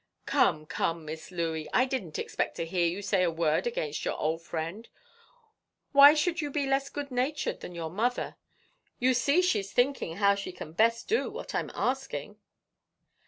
"Come, come, Miss Louey, I didn't expect to hear you say a word against your old friend; why should you be less good natured than your mother? You see she's thinking how she can best do what I'm asking."